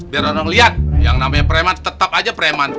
biar orang lihat yang namanya preman tetap aja preman